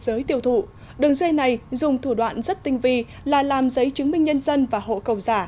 giới tiêu thụ đường dây này dùng thủ đoạn rất tinh vi là làm giấy chứng minh nhân dân và hộ cầu giả